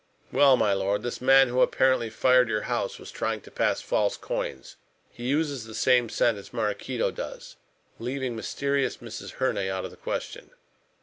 "Well, my lord, this man, who apparently fired your house, was trying to pass false coins. He uses the same scent as Maraquito does, leaving mysterious Mrs. Herne out of the question."